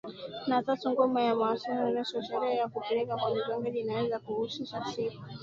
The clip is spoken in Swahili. na tatu Ngoma ya Wamasai Eunoto sherehe ya kubalehe kwa mpiganaji inaweza kuhusisha siku